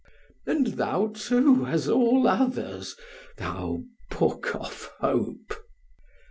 "And thou, too, as all others, thou book of hope!"